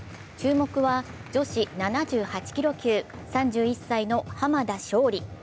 注目は女子７８ｋｇ級、３１歳の濱田尚里。